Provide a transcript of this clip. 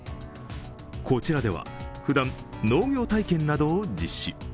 こちらではふだん、農業体験などを実施。